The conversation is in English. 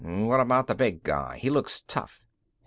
"What about the big guy? He looks tough."